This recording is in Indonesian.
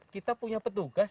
kita punya petugas